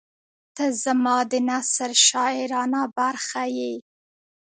• ته زما د نثر شاعرانه برخه یې.